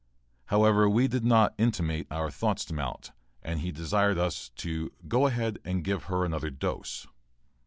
However, we did not intimate our thoughts to Mallett, and he desired us to "go ahead and give her another dose."